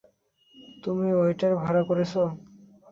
তুমি ওয়েটার ভাড়া করেছো।